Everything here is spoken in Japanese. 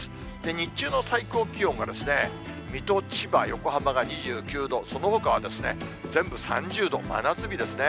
日中の最高気温が、水戸、千葉、横浜が２９度、そのほかはですね、全部３０度、真夏日ですね。